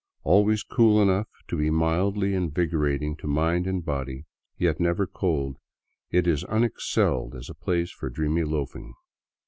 Always cool enough to be mildly invigorating to mind and body, yet never cold, it is unexcelled as a place for dreamy loafing.